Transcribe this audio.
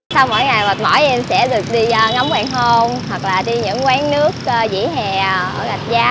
sau mỗi ngày mệt mỏi em sẽ được đi ngắm hoàng hôn hoặc là đi những quán nước dĩ hè ở trạch giá